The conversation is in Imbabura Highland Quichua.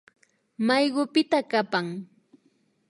Maykupita kapan